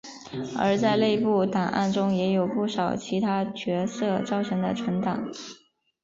而在内部档案中也有不少其他角色造成的存档。